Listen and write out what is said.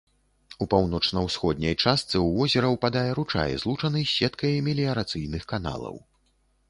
У паўночна-ўсходняй частцы ў возера ўпадае ручай, злучаны з сеткай меліярацыйных каналаў.